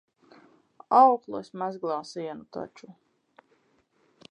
Auklu es mezglā sienu taču.